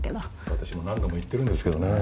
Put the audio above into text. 私も何度も言ってるんですけどね。